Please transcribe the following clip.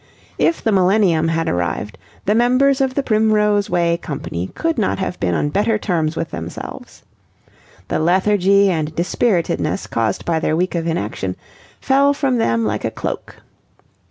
If the Millennium had arrived, the members of the Primrose Way Company could not have been on better terms with themselves. The lethargy and dispiritedness, caused by their week of inaction, fell from them like a cloak.